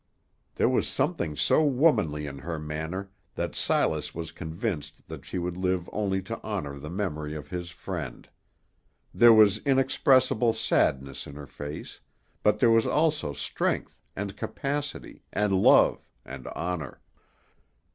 There was something so womanly in her manner that Silas was convinced that she would live only to honor the memory of his friend. There was inexpressible sadness in her face, but there was also strength, and capacity, and love, and honor.